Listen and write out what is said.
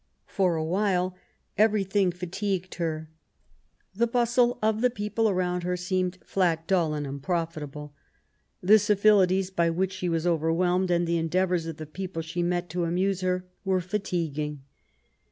For a while everything fatigued her. The bustle of the people around her seemed ^' flat, dull, and unprofitable.*' The civilities by which she was overwhelmed, and the endeavours of the people she met to amuse her, were fatiguing.